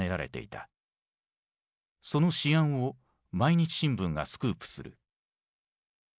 その試案を毎日新聞がスクープする。